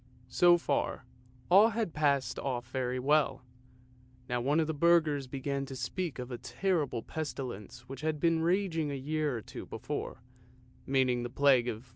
So far, all had passed off very well. Now one of the burghers began to speak of a terrible pestilence which had been raging a year or two before, meaning the plague of 1484.